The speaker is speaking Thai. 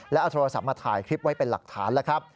แล้วเอาโทรศัพท์มาถ่ายคลิปไว้เป็นหลักฐานแล้วครับ